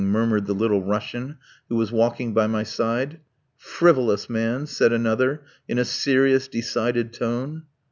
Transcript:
murmured the Little Russian, who was walking by my side. "Frivolous man!" said another in a serious, decided tone.